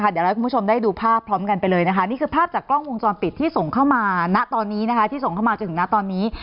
เดี๋ยวเราให้คุณผู้ชมได้ดูภาพพร้อมกันไปเลยนะคะนี่คือภาพจากกล้องวงจรปิดที่ส่งเข้ามาณตอนนี้ที่ส่งเข้ามาจนถึงณตอนนี้